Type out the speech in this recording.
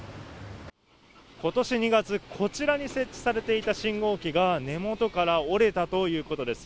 ことし２月、こちらに設置されていた信号機が根元から折れたということです。